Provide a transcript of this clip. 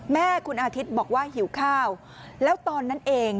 แม่คุณอาทิตย์บอกว่าหิวข้าวแล้วตอนนั้นเอง